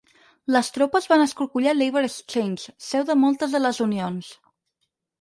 Les tropes van escorcollar Labour Exchange, seu de moltes de les unions.